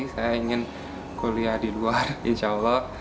saya ingin kuliah di luar insya allah